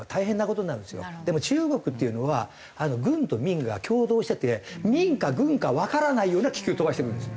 でも中国っていうのは軍と民が共同してて民か軍かわからないような気球飛ばしてくるんですよ。